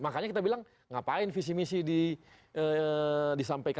makanya kita bilang ngapain visi misi disampaikan